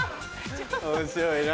面白いな。